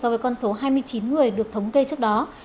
và có số hai mươi chín người được thống kê trước đó